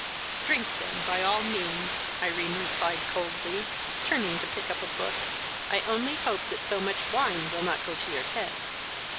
"Drink, then, by all means," Irene replied coldly, turning to pick up a book. "I only hope that so much wine will not go to your head."